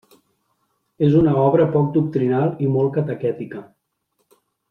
És una obra poc doctrinal i molt catequètica.